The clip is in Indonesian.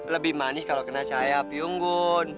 lebih manis kalau kena cahaya api ungu